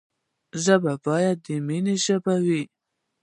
ژبه باید د ميني ژبه وي.